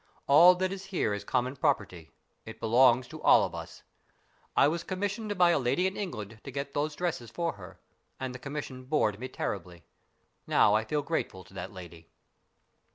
All that is here is common property. It belongs to all of us. I was com missioned by a lady in England to get those dresses for her. And the commission bored me terribly. Now I feel grateful to that lady."